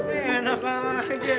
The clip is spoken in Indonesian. eh enak aja